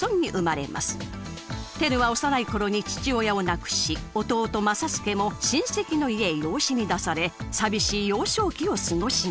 テルは幼い頃に父親を亡くし弟正祐も親戚の家へ養子に出され寂しい幼少期を過ごします。